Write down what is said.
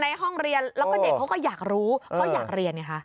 ห้องเรียนแล้วก็เด็กเขาก็อยากรู้เขาอยากเรียนไงคะ